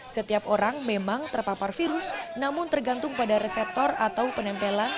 setiap orang memang terpapar virus namun tergantung pada reseptor atau penempelan